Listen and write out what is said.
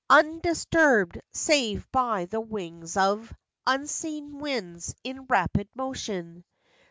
Undisturbed save by the wings of Unseen winds in rapid motion.